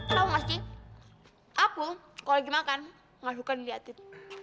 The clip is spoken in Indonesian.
tau gak sih aku kalo lagi makan gak suka diliatin